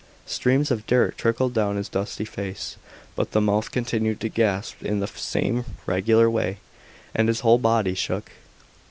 Streams of dirt trickled down his dusty face, but the mouth continued to gasp in the same regular way, and his whole body shook.